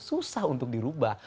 susah untuk dirubah